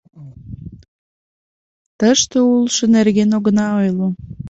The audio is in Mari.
Тыште улшо нерген огына ойло.